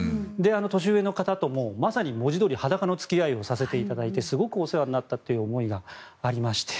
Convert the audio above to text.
年上の方ともまさに文字どおり裸の付き合いをさせていただいてすごくお世話になったという思いがありまして。